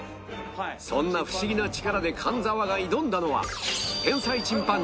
そんなフシギな力で神沢が挑んだのは